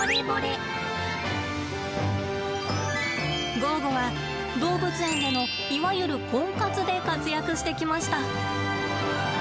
ゴーゴは動物園でのいわゆるコンカツで活躍してきました。